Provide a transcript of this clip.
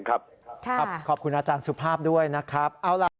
ครับขอบคุณอาจารย์สุภาพด้วยนะครับ